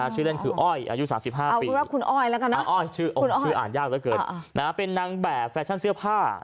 ชื่อเล่นคืออ้อยอายุ๓๕ปีเป็นนางแบบแฟชั่นเสื้อผ้า